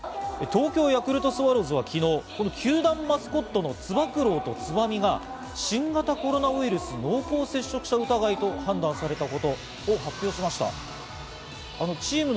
東京ヤクルトスワローズは昨日、球団マスコットのつば九郎とつばみが新型コロナウイルス濃厚接触者疑いと判断されたことを発表しました。